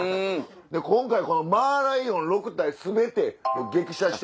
今回このマーライオン６体全て激写していこうと。